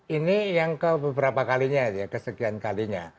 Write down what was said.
ini yang kebeberapa kalinya ya kesekian kalinya